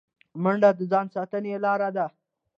منډه د ځان ساتنې لاره ده